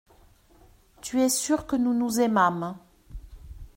Tu es sûr que nous aimâmes.